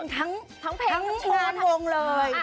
ทั้งงานวงเลย